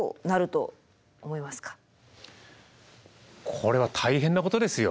これは大変なことですよ